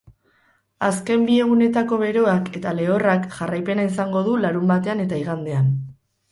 Azken bi egunetako beroak eta lehorrak jarraipena izango du larunbatean eta igandean.